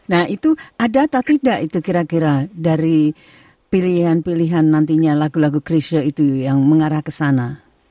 nah itu ada atau tidak itu kira kira dari pilihan pilihan nantinya lagu lagu christio itu yang mengarah ke sana